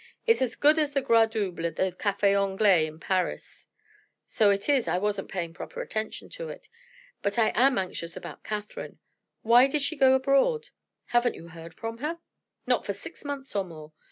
It's as good as the gras double at the Cafe Anglais in Paris." "So it is; I wasn't paying proper attention to it. But I am anxious about Catherine. Why did she go abroad?" "Haven't you heard from her?" "Not for six months or more.